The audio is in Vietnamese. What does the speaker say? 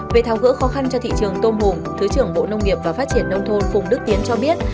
về thao gỡ khó khăn cho thị trường tôm hùm thứ trưởng bộ nông nghiệp và phát triển nông thôn phùng đức tiến cho biết